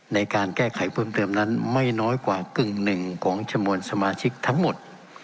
ในการแก้ไขเพิ่มเติมนั้นไม่น้อยกว่ากึ่งหนึ่งของจำนวนสมาชิกทั้งหมด